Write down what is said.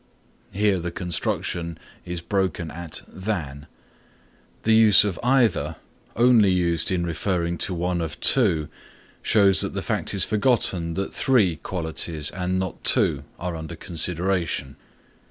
Here the construction is broken at than. The use of either, only used in referring to one of two, shows that the fact is forgotten that three qualities and not two are under consideration.